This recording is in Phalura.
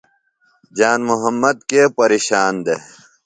جان محمد کے پیرشان دےۡ؟